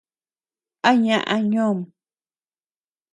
¿A ñaʼa ñoom?